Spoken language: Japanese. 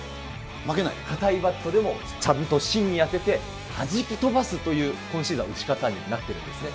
硬いバットでも、ちゃんと芯に当ててはじき飛ばすという、今シーズンは打ち方になってるんですね。